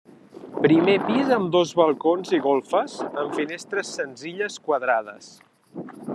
Primer pis amb dos balcons i golfes amb finestres senzilles quadrades.